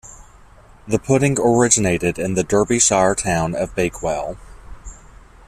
The pudding originated in the Derbyshire town of Bakewell.